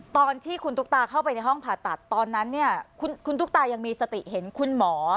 ตอนที่คุณตุ๊กตาเข้าไปในห้องผ่าตัดตอนนั้นเนี่ยคุณตุ๊กตายังมีสติเห็นคุณหมอ